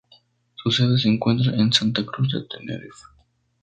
Su sede se encuentra en Santa Cruz de Tenerife.